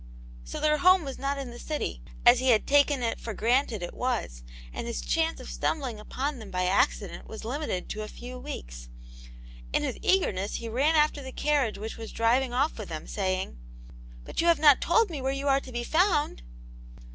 So their home was not in the city, as he had taken it for granted it was, and his chance of stumbling upon them by accident was limited to a few weeks. In his eagerness he ran after the carriage which was driving off with them, saying :—" But you have not told me where you are to be found